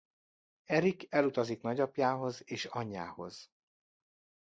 Erik elutazik nagyapjához és anyjához.